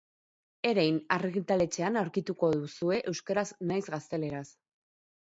Erein argitaletxean aurkituko duzue euskaraz nahiz gazteleraz.